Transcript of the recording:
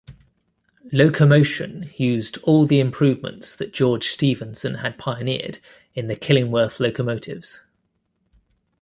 "Locomotion" used all the improvements that George Stephenson had pioneered in the Killingworth locomotives.